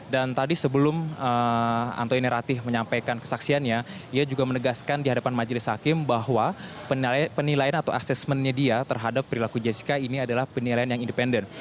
tadi sebelum antoine ratih menyampaikan kesaksiannya ia juga menegaskan di hadapan majelis hakim bahwa penilaian atau asesmennya dia terhadap perilaku jessica ini adalah penilaian yang independen